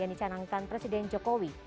yang dicanangkan presiden jokowi